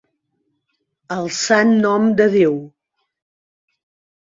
El sant nom de Déu.